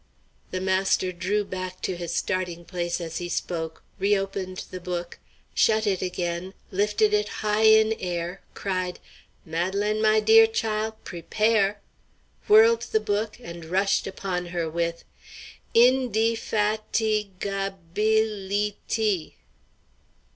The master drew back to his starting place as he spoke, re opened the book, shut it again, lifted it high in air, cried, "Madelaine, my dear chile, prepare!" whirled the book and rushed upon her with "In de fat i ga bil ly ty!"